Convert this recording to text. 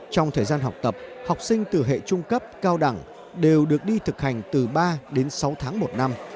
trong thời gian học tập học sinh từ hệ trung cấp cao đẳng đều được đi thực hành từ ba đến sáu tháng một năm